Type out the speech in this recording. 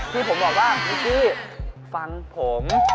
ที่ผมบอกว่านี่คุณฟังผม